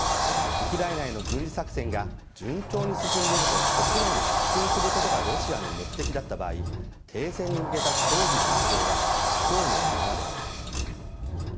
ウクライナへの軍事作戦が順調に進んでいると国内に発信することがロシアの目的だった場合停戦に向けた協議の行方は不透明なままです。